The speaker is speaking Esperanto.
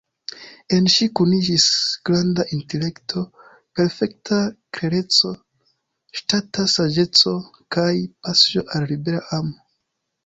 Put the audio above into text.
En ŝi kuniĝis granda intelekto, perfekta klereco, ŝtata saĝeco kaj pasio al "libera amo".